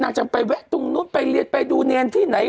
จะไปแวะตรงนู้นไปเรียนไปดูเนรที่ไหน